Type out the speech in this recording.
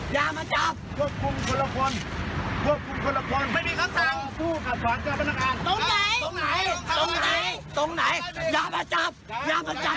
อย่ามาจับคุณ